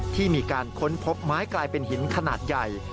ที่มีการค้นพบไม้กลายเป็นหินขนาดใหญ่